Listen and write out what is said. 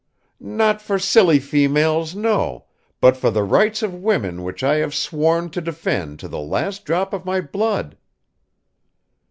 "Not for silly females, no, but for the rights of women which I have sworn to defend to the last drop of my blood."